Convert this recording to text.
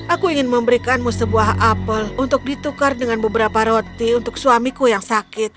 aku ingin memberikanmu sebuah apel untuk ditukar dengan beberapa roti untuk suamiku yang sakit